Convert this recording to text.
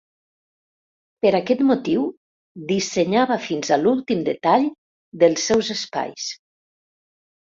Per aquest motiu dissenyava fins a l'últim detall dels seus espais.